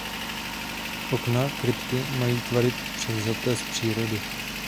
Okna krypty mají tvary převzaté z přírody.